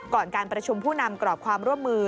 การประชุมผู้นำกรอบความร่วมมือ